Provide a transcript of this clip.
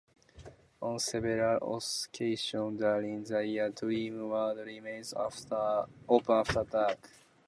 On several occasions during the year, Dreamworld remains open after dark.